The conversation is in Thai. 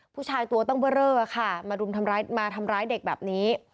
ผู้ชายตัวตั้งเบอร์เรอค่ะมาทำร้ายเด็กแบบนี้